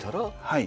はい。